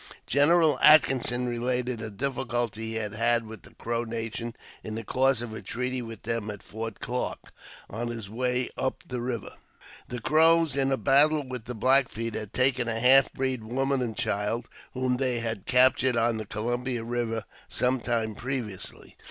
General Atkinson related a difficulty he had had with the Crow nation in the course of a treaty with them at Fort Clarke, on his way up the river. The Crows, in a battle with the Black Feet, had taken a half breed woman and child, whom they had captured on the Columbia Eiver some time previously.